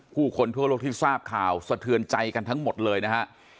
ผู้คนทั่วโลกที่ทราบข่าวสะเทือนใจกันทั้งหมดเลยนะฮะ